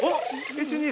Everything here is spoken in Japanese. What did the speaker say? １２。